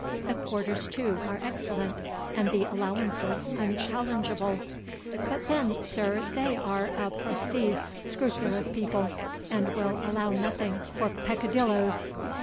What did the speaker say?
The quarters, too, are excellent, and the allowances unchallengeable; but then, sir, they are a preceese, scrupulous people, and will allow nothing for peccadilloes.